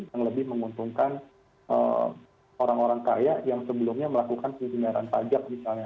yang lebih menguntungkan orang orang kaya yang sebelumnya melakukan pendengaran pajak misalnya